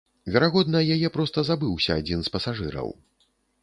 Верагодна, яе проста забыўся адзін з пасажыраў.